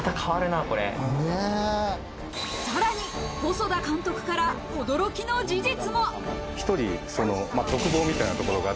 さらに細田監督から驚きの事実も。